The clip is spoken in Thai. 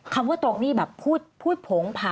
คำว่าตรงนี่แบบพูดโผงผ่า